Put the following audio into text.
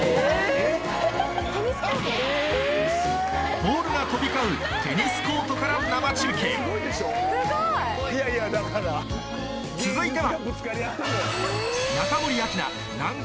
ボールが飛び交うテニスコートから生中継続いては